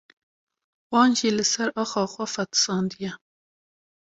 wan jî li ser axa xwe fetisandiye